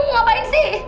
lo mau ngapain sih